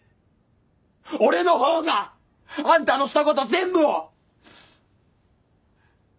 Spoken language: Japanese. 俺の方があんたのしたこと全部を！